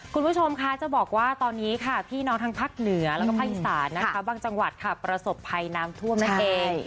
คุณผู้ชมค่ะจะบอกว่าตอนนี้ค่ะพี่น้องทางภาคเหนือแล้วก็ภาคอีสานนะคะบางจังหวัดค่ะประสบภัยน้ำท่วมนั่นเอง